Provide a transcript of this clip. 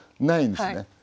ないんですね。